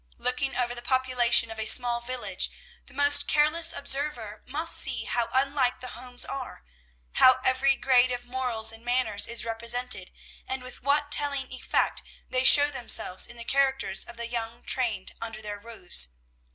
Looking over the population of a small village, the most careless observer must see how unlike the homes are; how every grade of morals and manners is represented, and with what telling effect they show themselves in the characters of the young trained under their roofs.